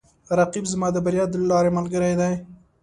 رقیب زما د بریا د لارې ملګری دی